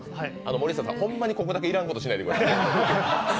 森下さん、ホンマにここだけいらんことしないでくださいね。